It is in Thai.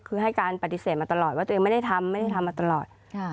คือให้การปฏิเสธมาตลอดว่าตัวเองไม่ได้ทำไม่ได้ทำมาตลอด